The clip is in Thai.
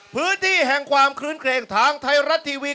พื้นที่แห่งความคลื้นเกรงทางไทยรัฐทีวี